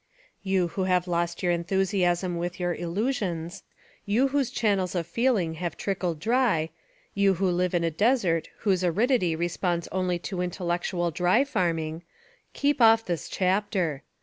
You who have lost your enthusiasm with your illusions, you whose channels of feeling have trickled dry, you who live in a desert whose aridity responds only to intellectual dry farming keep off this chapter!